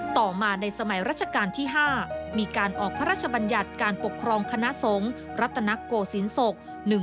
ต่อมาในสมัยรัชกาลที่๕มีการออกพระราชบัญญัติการปกครองคณะสงฆ์รัตนโกศิลปศก